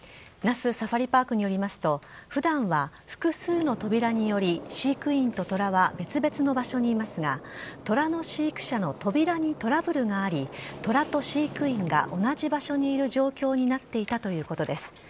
那須サファリパークによりますと、ふだんは複数の扉により飼育員とトラは、別々の場所にいますが、トラの飼育舎の扉にトラブルがあり、トラと飼育員が同じ場所にいる状況になっていたということです。